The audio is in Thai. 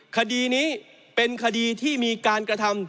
คดีนี้เป็นคดีที่มีการกระทำ